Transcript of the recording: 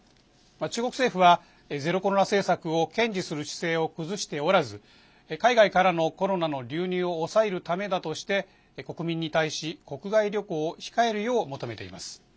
中国政府はゼロコロナ政策を堅持する姿勢を崩しておらず海外からのコロナの流入を抑えるためだとして国民に対し、国外旅行を控えるよう求めています。